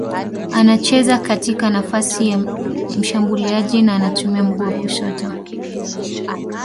Anacheza katika nafasi ya mshambuliaji na anatumia mguu wa kushoto.